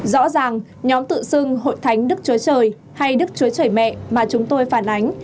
rõ ràng nhóm tự xưng hội thánh đức chúa trời hay đức chúa trời mẹ mà chúng tôi phản ánh